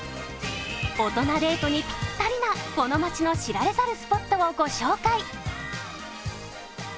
大人デートにぴったりなこの街の知られざるスポットをご紹介。